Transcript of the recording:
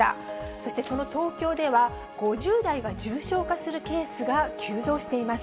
そしてその東京では、５０代が重症化するケースが急増しています。